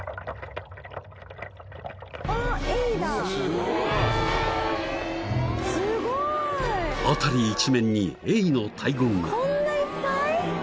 ［辺り一面にエイの大群が］